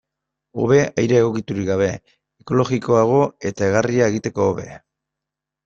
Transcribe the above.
Hobe aire egokiturik gabe, ekologikoago eta egarria egiteko hobe.